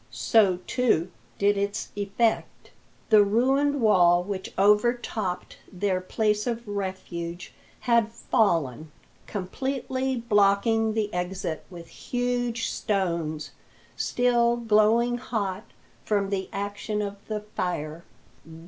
So, too, did its effect. The ruined wall which overtopped their place of refuge had fallen, completely blocking the exit with huge stones, still glowing hot from the action of the fire.